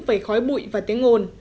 về khói bụi và tiếng ồn